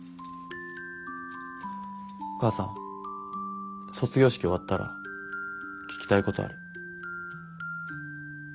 母さん卒業式終わったら聞きたいことある。